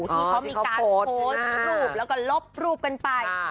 ที่เขามีการโพสต์รูปแล้วก็ลบรูปกันไป